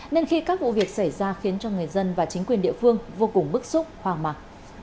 nên khi các vụ việc xảy ra khiến cho người dân và chính quyền địa phương vô cùng bức xúc hoang mạc